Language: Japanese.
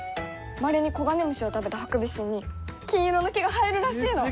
まれにコガネムシを食べたハクビシンに金色の毛が生えるらしいの！